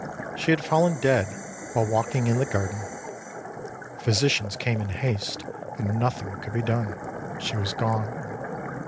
She had fallen dead while walking in the garden. Physicians came in haste, but nothing could be done. She was gone.